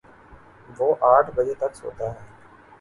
وہ آٹھ بجے تک سوتا ہے